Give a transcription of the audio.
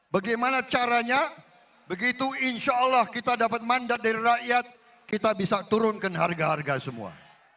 bagaimana caranya begitu insya allah kita dapat mandat dari rakyat kita bisa turunkan harga harga semua